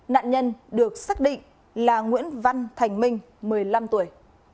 nạn nhân được xác định là nguyễn văn thành minh một mươi năm tuổi